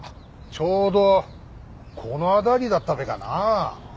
ちょうどこの辺りだったべかな？